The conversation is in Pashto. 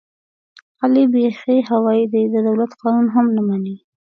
علي بیخي هوایي دی، د دولت قانون هم نه مني.